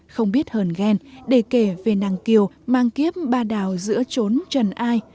không biết hờn ghen để kể về nàng kiều mang kiếp ba đào giữa trốn trần ai